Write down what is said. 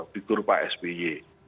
figur pak sby